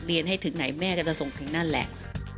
ให้ถึงไหนแม่ก็จะส่งถึงนั่นแหละ